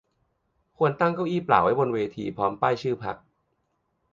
ควรตั้งเก้าอี้เปล่าไว้บนเวทีพร้อมป้ายชื่อพรรค